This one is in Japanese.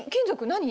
何？